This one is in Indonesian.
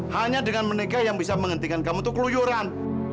hanya dengan menikah yang bisa menghentikan kamu itu keluyuran